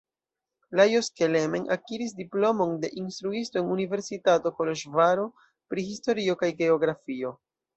Lajos Kelemen akiris diplomon de instruisto en Universitato Koloĵvaro pri historio kaj geografio.